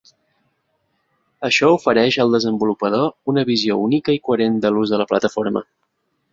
Això ofereix al desenvolupador una visió única i coherent de l'ús de la plataforma.